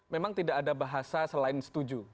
memang tidak ada bahasa selain setuju